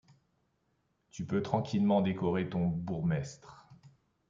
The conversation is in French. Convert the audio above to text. Tu peux tranquillement décorer ton bourgmestre.